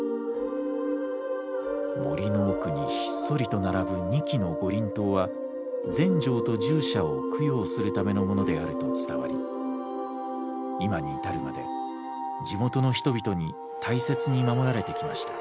森の奥にひっそりと並ぶ２基の五輪塔は全成と従者を供養するためのものであると伝わり今に至るまで地元の人々に大切に守られてきました。